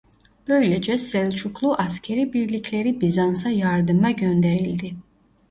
Böylece Selçuklu askerî birlikleri Bizans'a yardıma gönderildi.